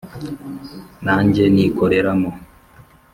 Nanjye nikoreramo